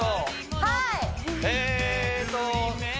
はい